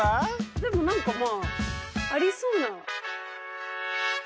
でも何かまあありそうな。